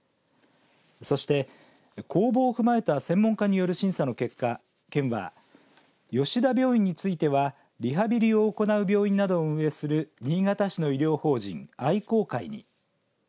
そして、公募を踏まえた専門家による審査の結果県は、吉田病院についてはリハビリを行う病院などを運営する新潟市の医療法人、愛広会に。